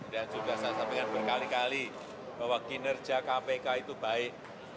dan sudah saya sampaikan berkali kali bahwa kinerja kpk itu baik